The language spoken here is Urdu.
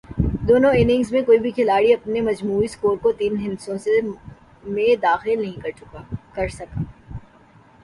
دونوں اننگز میں کوئی بھی کھلاڑی اپنے مجموعی سکور کو تین ہندسوں میں داخل نہیں کر سکا۔